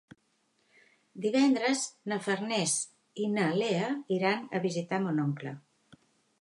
Divendres na Farners i na Lea iran a visitar mon oncle.